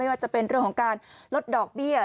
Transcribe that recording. ว่าจะเป็นเรื่องของการลดดอกเบี้ย